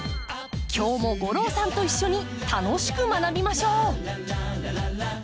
今日も吾郎さんと一緒に楽しく学びましょう！